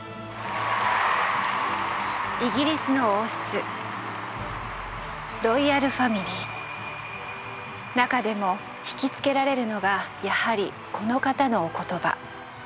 イギリスの王室中でも惹きつけられるのがやはりこの方のお言葉。